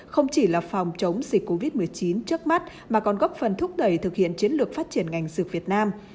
không chỉ là phòng chống dịch covid một mươi chín trước mắt mà còn góp phần thúc đẩy thực hiện chiến lược phát triển ngành dược việt nam